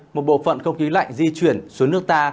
một bộ phận không khí lạnh di chuyển xuống nước ta